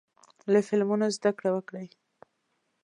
له فلمونو زده کړه وکړئ.